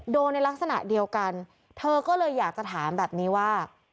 ในลักษณะเดียวกันเธอก็เลยอยากจะถามแบบนี้ว่า